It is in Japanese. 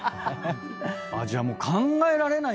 じゃあもう考えられない。